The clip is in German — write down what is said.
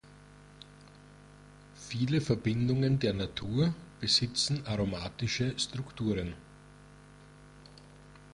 Viele Verbindungen der Natur besitzen aromatische Strukturen.